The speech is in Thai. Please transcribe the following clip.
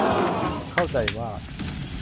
เข้าใจว่า